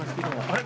あれ？